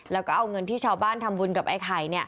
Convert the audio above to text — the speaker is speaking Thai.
แล้วก็เอาเงินที่ชาวบ้านทำบุญกับไอ้ไข่